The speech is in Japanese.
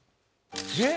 えっ！